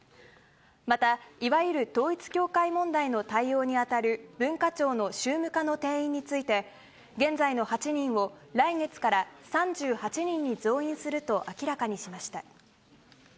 また、いわゆる統一教会問題の対応に当たる文化庁の宗務課の定員について、現在の８人を来月から３８人に増員すると明らかにしました。